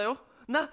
なっ？